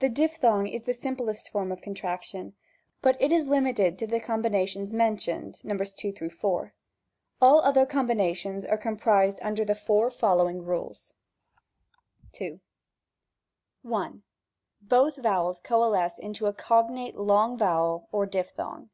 The diphthong is the simplest form of contraction, but it is limited to the combinations mentioned (§2 4). All other combinations are comprised under the four following rules : 14 OONTEAOnON. §3. 2. I. Botli vowels coalesce into a cognate long vowel or diphthong.